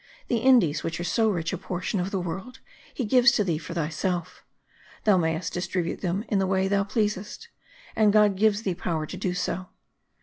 The Indies, which are so rich a portion of the world, he gives to thee for thyself; thou mayest distribute them in the way thou pleasest, and God gives thee power to do so.